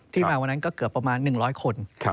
มาวันนั้นก็เกือบประมาณ๑๐๐คน